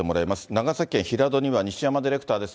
長崎県平戸には西山ディレクターです。